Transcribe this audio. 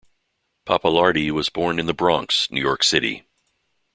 Pappalardi was born in The Bronx, New York City.